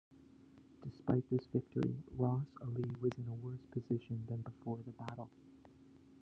Despite this victory, "Ras" Ali was in a worse position than before the battle.